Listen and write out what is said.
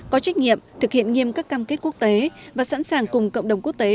có trách nhiệm thực hiện nghiêm các cam kết quốc tế và sẵn sàng cùng cộng đồng quốc tế